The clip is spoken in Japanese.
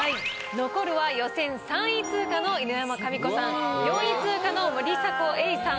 残るは予選３位通過の犬山紙子さん４位通過の森迫永依さん。